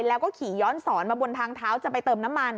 แล้วก็ขี่ย้อนสอนมาบนทางเท้าจะไปเติมน้ำมัน